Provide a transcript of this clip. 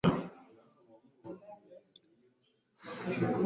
Ngo waba se wumvisemo ibiki bidasanzwe mwana wa?